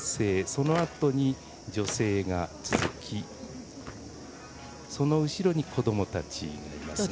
そのあとに女性が続きその後ろに子どもたちがいますね。